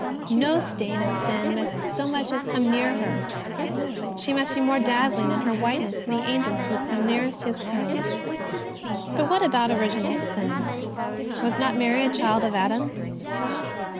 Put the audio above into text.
No stain of sin must so much as come near her. She must be more dazzling in her whiteness than the Angels who come nearest His throne. But what about original sin? was not Mary a child of Adam